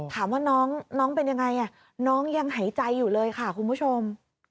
ถามว่าน้องเป็นยังไงน้องยังหายใจอยู่เลยค่ะคุณผู้ชม